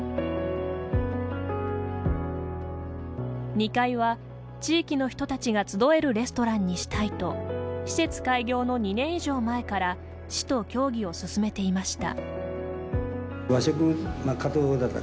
２階は、地域の人たちが集えるレストランにしたいと施設開業の２年以上前から市と協議を進めていました。